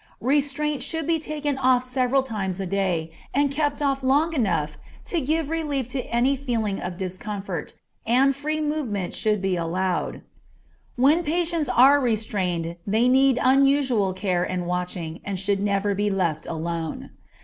Restraint should be taken off several times a day, and kept off long enough to give relief to any feeling of discomfort, and free movement should be allowed. When patients are restrained they need unusual care and watching, and should never be left alone.